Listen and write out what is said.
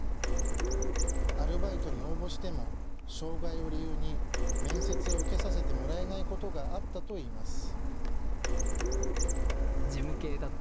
アルバイトに応募しても障害を理由に面接を受けさせてもらえないことがあったといいます。